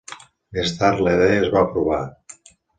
Més tard, la idea es va aprovar.